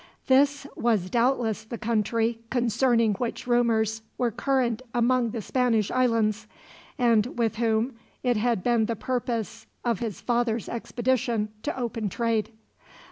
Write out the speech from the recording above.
This was doubtless the country concerning which rumors were current among the Spanish islands, and with whom it had been the purpose of his father's expedition to open trade.